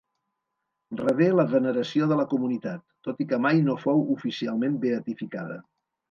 Rebé la veneració de la comunitat, tot i que mai no fou oficialment beatificada.